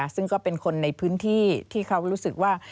ซึ่งก็เป็นคนในพื้นที่ที่เขารู้สึกว่า